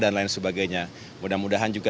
dan lain sebagainya mudah mudahan juga